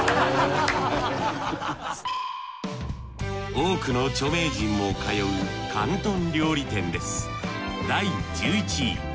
多くの著名人も通う広東料理店です